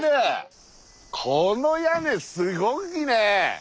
この屋根すごいね。